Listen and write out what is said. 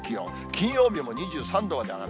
金曜日も２３度まで上がる。